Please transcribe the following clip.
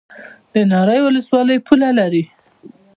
د ناری ولسوالۍ پوله لري